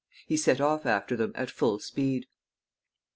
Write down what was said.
He set off after them at full speed.